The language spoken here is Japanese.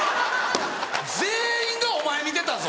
全員がお前見てたぞ。